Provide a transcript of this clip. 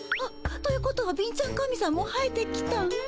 ということは貧ちゃん神さんも生えてきたん？